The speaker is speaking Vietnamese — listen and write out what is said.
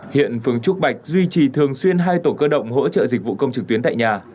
hiện phường trúc bạch duy trì thường xuyên hai tổ cơ động hỗ trợ dịch vụ công trực tuyến tại nhà